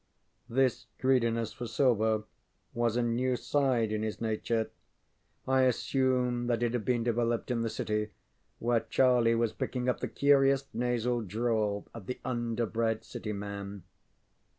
ŌĆØ This greediness for silver was a new side in his nature. I assumed that it had been developed in the City, where Charlie was picking up the curious nasal drawl of the underbred City man.